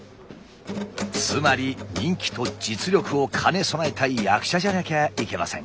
つまり人気と実力を兼ね備えた役者じゃなきゃいけません。